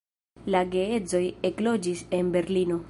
La geedzoj ekloĝis en Berlino.